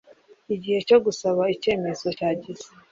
igihe cyo gusaba icyemezo cyageze